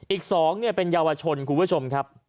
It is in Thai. อีก๒เป็นเยาวชนคุณผู้ชมครับ